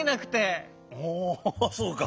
あそうか。